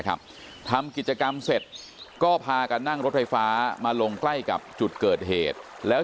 ทำกิจกรรมเสร็จก็พากันนั่งรถไฟฟ้ามาลงใกล้กับจุดเกิดเหตุแล้ว